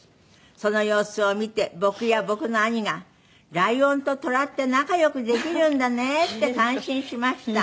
「その様子を見て僕や僕の兄が“ライオンとトラって仲良くできるんだね”って感心しました」